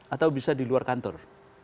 atau bisa di luar kantor